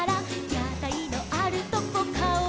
「やたいのあるとこかおをだす」